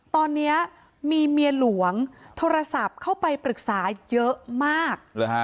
ตอนนี้มีเมียหลวงโทรศัพท์เข้าไปปรึกษาเยอะมาก